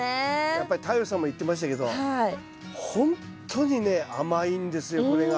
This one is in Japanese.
やっぱり太陽さんも言ってましたけどほんとにね甘いんですよこれが。